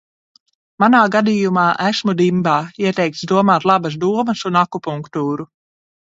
Manā gadījumā, esmu dimbā, ieteikts domāt labas domas un akupunktūru.